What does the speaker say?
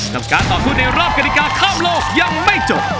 กับการต่อสู้ในรอบกฎิกาข้ามโลกยังไม่จบ